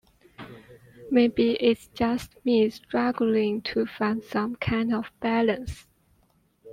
Maybe it's just me struggling to find some kind of balance.